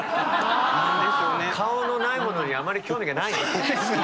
顔のないものにあまり興味がない。